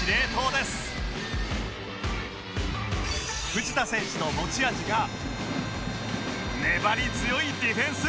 藤田選手の持ち味が粘り強いディフェンス